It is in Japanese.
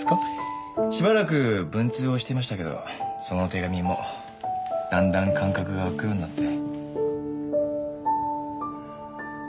しばらく文通をしていましたけどその手紙もだんだん間隔が開くようになって。